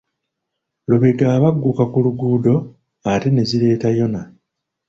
Lubega aba agguka ku luguudo ate ne zireeta Yona.